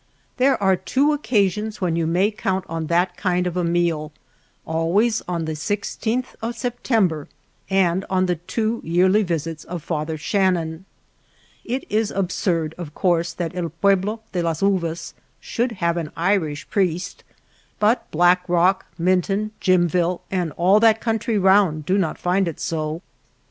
There are two occasions when you may count on that kind of a meal ; always on 271 THE LITTLE TOWN OF THE GRAPE VINES the Sixteenth of September, and on the two yearly visits of Father Shannon. It is absurd, of course, that El Pueblo de / Las Uvas should have an Irish priest, but V Black Rock, Minton, Jimville, and all that country round do not find it so.